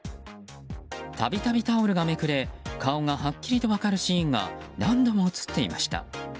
度々、タオルがめくれ顔がはっきりと分かるシーンが何度も映っていました。